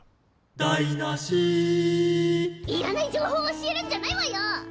「だいなし」いらない情報教えるんじゃないわよ！